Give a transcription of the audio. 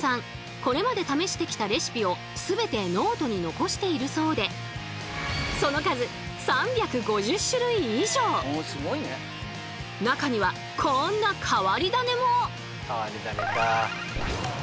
これまで試してきたレシピを全てノートに残しているそうでその数中にはこんな変わり種も！